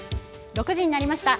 ６時になりました。